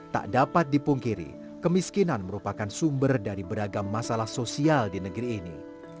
tak dapat dipungkiri kemiskinan merupakan sumber dari beragam masalah sosial di negeri ini